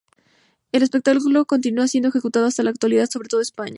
El espectáculo continúa siendo ejecutado hasta la actualidad, sobre todo en España.